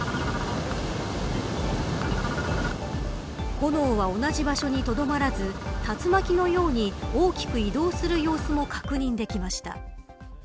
炎は同じ場所にとどまらず竜巻のように大きく移動する様子も確認できました。